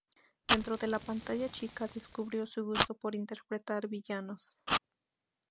Dentro de la pantalla chica, descubrió su gusto por interpretar villanos.